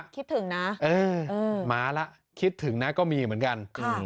คิดถึงนะมาแล้วคิดถึงนะก็มีเหมือนกัน